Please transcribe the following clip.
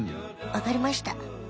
わかりました。